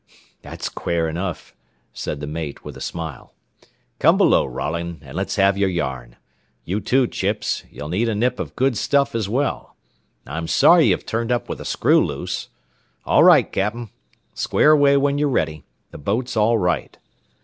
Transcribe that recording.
"That's quare enough," said the mate, with a smile. "Come below, Rolling, and let's have yer yarn. You, too, Chips, ye'll need a nip of good stuff as well. I'm sorry ye've turned up with a screw loose. All right, cap'n. Square away when ye're ready. The boat's all right."